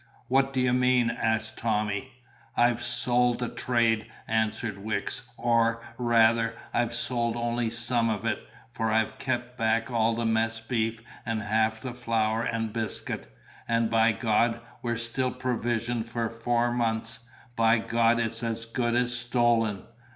"What do you mean?" asked Tommy. "I've sold the trade," answered Wicks; "or, rather, I've sold only some of it, for I've kept back all the mess beef and half the flour and biscuit; and, by God, we're still provisioned for four months! By God, it's as good as stolen!"